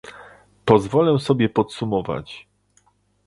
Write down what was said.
Pozwolę sobie podsumować